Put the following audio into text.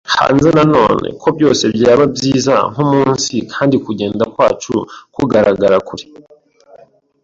hanze na none, ko byose byaba byiza nkumunsi, kandi kugenda kwacu kugaragara kuri